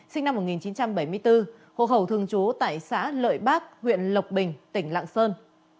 sinh năm một nghìn chín trăm bảy mươi bốn hộ khẩu thường trú tại xã lợi bác huyện lộc bình tỉnh lạng sơn